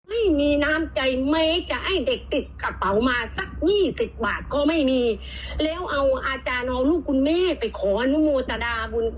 อาจารย์เอาลูกคุณแม่ไปขายเหรอ